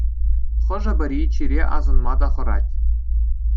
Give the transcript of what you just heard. Хӑшӗ-пӗри чире асӑнма та хӑрать.